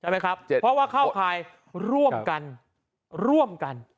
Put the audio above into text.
เพราะว่าเข้าข่ายร่วมกัน